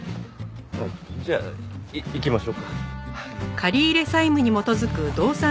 じゃあ行きましょうか。